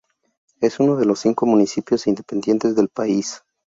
Es uno de los cinco municipios independientes del país.